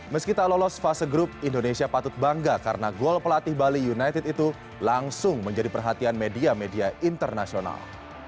meski tak lolos fase grup indonesia patut bangga karena gol pelatih bali united itu langsung menjadi perhatian media media internasional